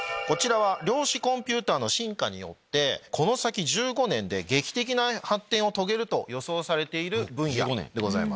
量子コンピューターの進化によってこの先１５年で劇的な発展を遂げると予想されている分野です。